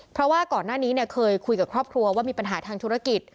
เพราะว่าก่อนหน้านี้เนี่ยเคยคุยกับครอบครัวว่ามีปัญหาทางธุรกิจ